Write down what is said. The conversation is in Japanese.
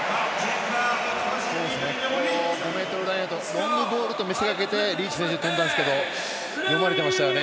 ロングボールと見せかけてリーチ選手、跳んだんですけど読まれてましたよね。